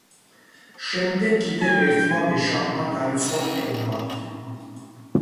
შემდეგ კიდევ ერთმა ვეშაპმა დაიწყო ხტუნვა.